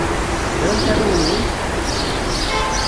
Tramt arraw-nwent?